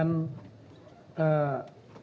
dan tidak mendukung